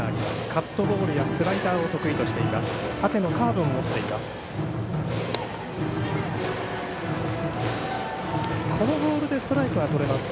カットボールやスライダーも得意としています。